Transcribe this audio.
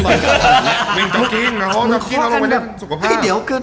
มึงก็เดียว